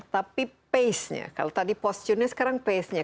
tapi pacenya kalau tadi posisinya sekarang pacenya